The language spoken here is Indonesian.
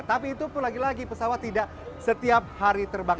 tapi itu pun lagi lagi pesawat tidak setiap hari terbang